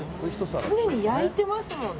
常に焼いてますもんね。